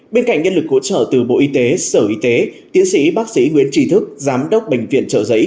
bên cạnh nhân lực hỗ trợ từ bộ y tế sở y tế tiến sĩ bác sĩ nguyễn trí thức giám đốc bệnh viện trợ giấy